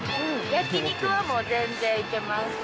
焼き肉はもう全然行けます。